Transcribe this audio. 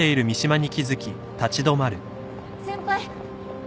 先輩！